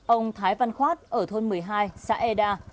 ông thái văn khoát ở thôn một mươi hai xã e đa